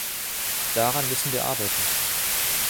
Daran müssen wir arbeiten!